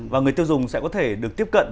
và người tiêu dùng sẽ có thể được tiếp cận